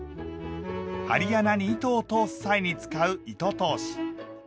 針穴に糸を通す際に使う糸通し。